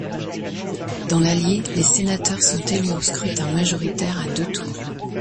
Dans l'Allier, les sénateurs sont élus au scrutin majoritaire à deux tours.